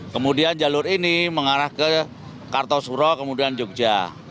kemudian jalur ini mengarah ke kartosuro kemudian jogja